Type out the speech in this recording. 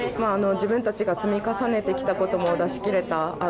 自分たちが積み重ねてきたことも出し切れた。